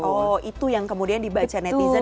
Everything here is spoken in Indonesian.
oh itu yang kemudian dibaca netizen